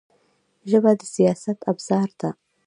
ژبه د سیاست ابزار ده